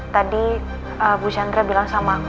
tadi bu chandra bilang sama